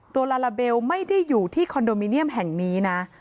ลาลาเบลไม่ได้อยู่ที่คอนโดมิเนียมแห่งนี้นะ